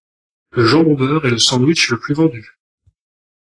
Le jambon beurre est le sandwich le plus vendu.